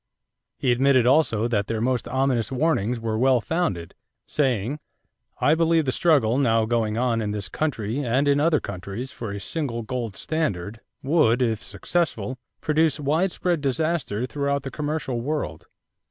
He admitted also that their most ominous warnings were well founded, saying: "I believe the struggle now going on in this country and in other countries for a single gold standard would, if successful, produce widespread disaster throughout the commercial world.